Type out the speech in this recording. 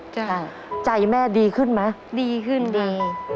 จ้ะใจแม่ดีขึ้นไหมดีได้